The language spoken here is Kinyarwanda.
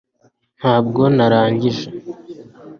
ntabwo narangije